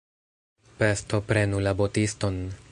Pesto prenu la botiston!